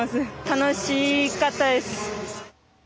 楽しかったです。